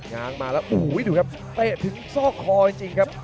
ง้างมาแล้วโอ้โหดูครับเตะถึงซอกคอจริงครับ